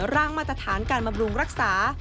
มาตรฐานการบำรุงรักษา